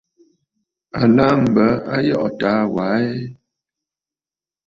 À laà m̀bə Ayɔꞌɔ̀ taa wa aa ɛ?